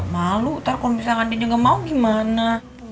malu nanti kalau misalnya gantinya enggak mau gimana